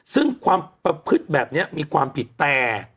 ซึ่งความประพฤติแบบนี้มีความผิดแต่